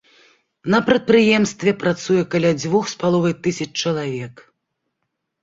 На прадпрыемстве працуе каля дзвюх з паловай тысяч чалавек.